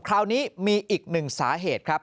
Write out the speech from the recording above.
คราวนี้มีอีกหนึ่งสาเหตุครับ